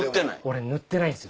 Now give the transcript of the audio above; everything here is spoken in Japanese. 俺塗ってないんですよ。